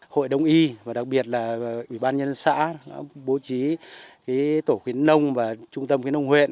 hội đông y và đặc biệt là ủy ban nhân xã bố trí tổ khuyến nông và trung tâm khuyến nông huyện